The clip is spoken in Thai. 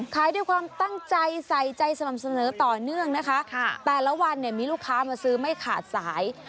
ขายด้วยความตั้งใจใส่ใจสม่ำเสมอต่อเนื่องนะคะแต่ละวันเนี่ยมีลูกค้ามาซื้อไม่ขาดสาย